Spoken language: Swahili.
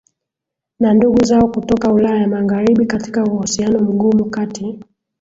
na ndugu zao kutoka Ulaya Magharibi Katika uhusiano mgumu kati